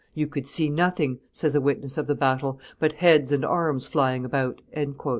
"You could see nothing," says a witness of the battle, "but heads and arms flying about."